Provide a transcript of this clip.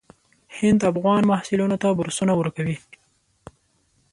هند افغان محصلینو ته بورسونه ورکوي.